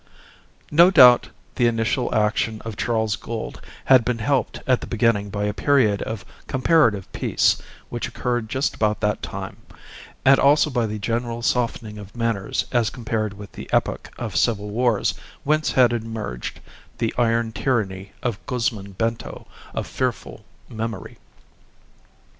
No doubt the initial action of Charles Gould had been helped at the beginning by a period of comparative peace which occurred just about that time; and also by the general softening of manners as compared with the epoch of civil wars whence had emerged the iron tyranny of Guzman Bento of fearful memory.